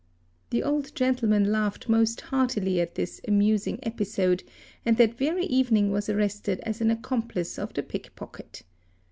The old gentleman laughed most heartily at this "'amusing episode ~ and that very evening was arrested as an accomplice of the pickpocket.